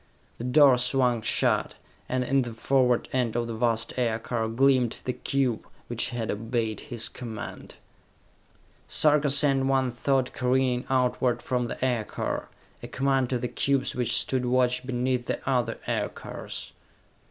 The door swung shut, and in the forward end of the vast aircar gleamed the cube which had obeyed his command! Sarka sent one thought careening outward from the aircar, a command to the cubes which stood watch beneath the other aircars.